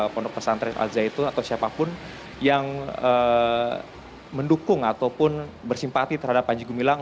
pondok presentri alzaitun atau siapapun yang mendukung ataupun bersimpati terhadap panji gumilang